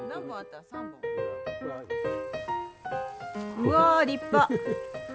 うわ立派！